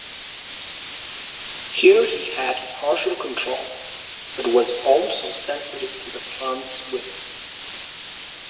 Here he had partial control, but was also sensitive to the plant's whims.